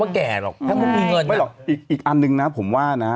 ไม่หรอกอีกอันนึงผมว่านะ